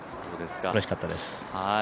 うれしかったです。